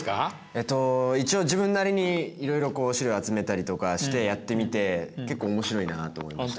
えっと一応自分なりにいろいろこう資料集めたりとかしてやってみて結構面白いなと思いました。